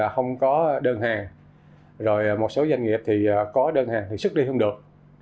không có đơn hàng một số doanh nghiệp có đơn hàng thì sức đi không được